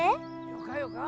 よかよか。